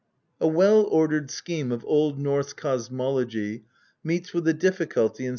A well ordered scheme of Old Norse cosmology meets with a difficulty in st.